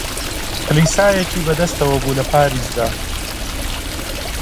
کلیسایەکی بە دەستەوە بوو لە پاریسدا